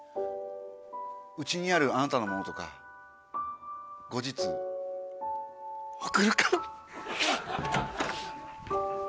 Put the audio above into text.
家にあるあなたのものとか後日送るから。